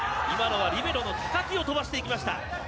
今のはリベロを飛ばしていきました。